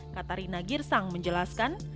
katarina girsang menjelaskan